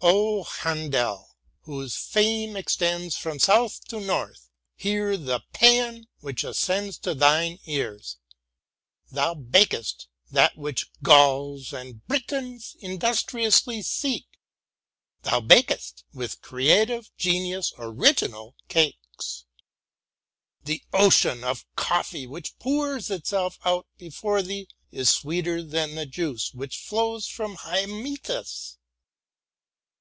"© Hendel, whose fame extends from south to north, hear the pean which ascends to thine ears! Thou bakest that which Gauls and Britons industriously seek, (thou bakest) with creative genius original cakes. The ocean of coffee which pours itself out before thee is sweeter than the juice which flows from //ymetius.